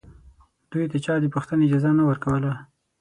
دوی ته چا د پوښتنې اجازه نه ورکوله